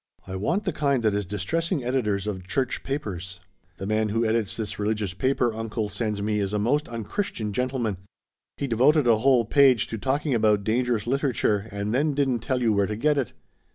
"I want the kind that is distressing editors of church papers. The man who edits this religious paper uncle sends me is a most unchristian gentleman. He devoted a whole page to talking about dangerous literature and then didn't tell you where to get it.